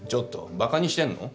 バカにしてんの？